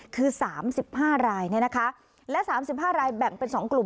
คือ๓๕รายและ๓๕รายแบ่งเป็น๒กลุ่ม